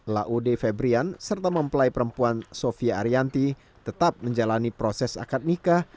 laode febrian serta mempelai perempuan sofia arianti tetap menjalani proses akad nikah